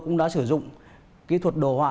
cũng đã sử dụng kỹ thuật đồ họa